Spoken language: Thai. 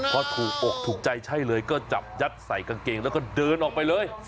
พอถูกอกถูกใจใช่เลยก็จับยัดใส่กางเกงแล้วก็เดินออกไปเลย